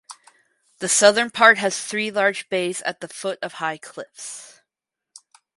The southern part has three large bays at the foot of high cliffs.